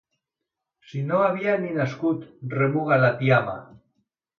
Si no havia ni nascut! –remuga la tiama.